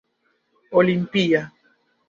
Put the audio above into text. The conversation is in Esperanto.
olimpia